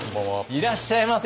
いらっしゃいませ。